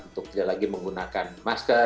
untuk tidak lagi menggunakan masker